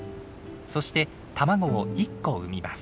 そして卵を１個産みます。